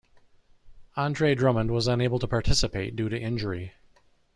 Andre Drummond was unable to participate due to injury.